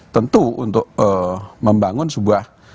tentu untuk membangun sebuah